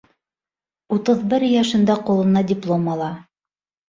Утыҙ бер йәшендә ҡулына диплом ала.